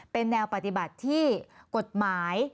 เป็นแนวปฏิบัติที่กฎหมาย